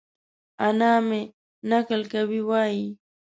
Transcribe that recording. انا مې؛ نکل کوي وايي؛